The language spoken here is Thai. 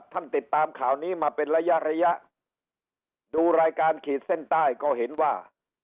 ติดตามข่าวนี้มาเป็นระยะระยะดูรายการขีดเส้นใต้ก็เห็นว่า